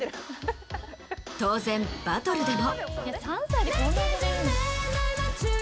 当然バトルでも。